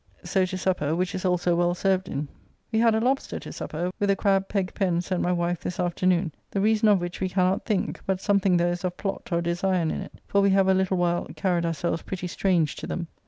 So to supper, which is also well served in. We had a lobster to supper, with a crabb Pegg Pen sent my wife this afternoon, the reason of which we cannot think; but something there is of plot or design in it, for we have a little while carried ourselves pretty strange to them.